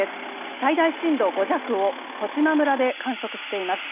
最大震度５弱を十島村で観測しています。